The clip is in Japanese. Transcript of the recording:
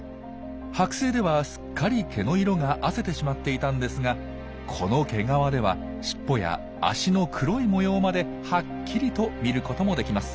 はく製ではすっかり毛の色があせてしまっていたんですがこの毛皮ではしっぽや脚の黒い模様まではっきりと見ることもできます。